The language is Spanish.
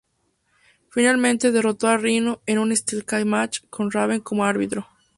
Finalmente, derrotó a Rhino en un "Steel Cage match" con Raven como árbitro.